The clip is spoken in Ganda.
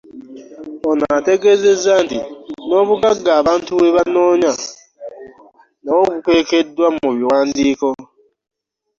Ono ategeezezza nti n'obuggaga abantu bwebanoonya nabo bukwekeddwa mu biwandiiko.